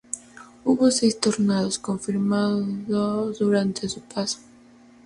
Hubo seis tornados confirmados durante su paso.